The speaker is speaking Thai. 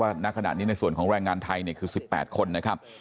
ณขณะนี้ในส่วนของแรงงานไทยเนี่ยคือ๑๘คนนะครับ